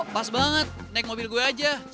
pas banget naik mobil gue aja